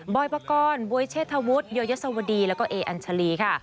อยปกรณ์บ๊วยเชษฐวุฒิโยยศวดีแล้วก็เออัญชาลีค่ะ